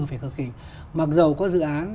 phải cực kỳ mặc dù có dự án